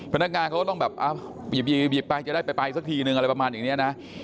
พนักงานเขาก็ต้องแบบบีบไปจะได้ไปสักทีนึงอะไรประมาณอย่างนี้นะ